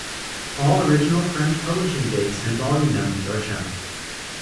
All original French publishing dates and volume numbers are shown.